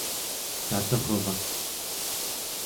tatervak